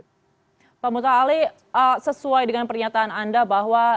pak muta ali sesuai dengan pernyataan anda bahwa